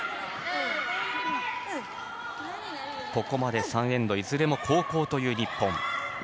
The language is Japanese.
ここまで３エンドいずれも後攻という日本。